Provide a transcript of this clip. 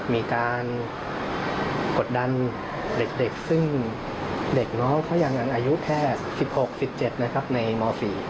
มีการกดดันเด็กซึ่งเด็กน้องเขายังอายุแค่๑๖๑๗นะครับในม๔